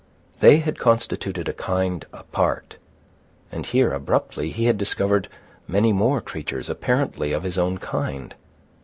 They had constituted a kind apart, and here, abruptly, he had discovered many more creatures apparently of his own kind.